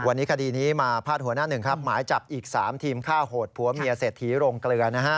วันนี้คดีนี้มาพาดหัวหน้าหนึ่งครับหมายจับอีก๓ทีมฆ่าโหดผัวเมียเศรษฐีโรงเกลือนะฮะ